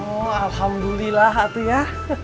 oh alhamdulilah hati nya